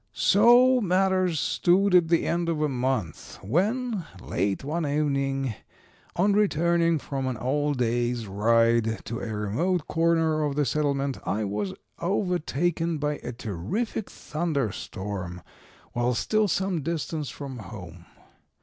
"So matters stood at the end of a month, when, late one evening, on returning from an all day's ride to a remote corner of the settlement I was overtaken by a terrific thunder storm while still some distance from home.